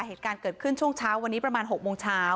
เหตุการณ์เกิดขึ้นช่วงเช้าวันนี้ประมาณ๖โมงเช้า